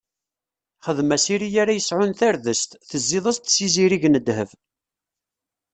Xdem-as iri ara yesɛun tardest, tezziḍ- as-d s izirig n ddheb.